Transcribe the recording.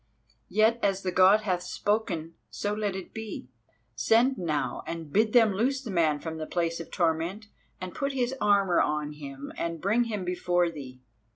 "Yet as the God hath spoken, so let it be. Send now and bid them loose the man from the place of torment, and put his armour on him and bring him before thee."